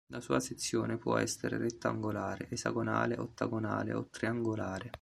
La sua sezione può essere rettangolare, esagonale, ottagonale o triangolare.